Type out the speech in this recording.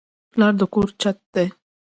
پلار د کور چت دی